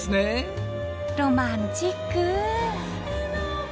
ロマンチック！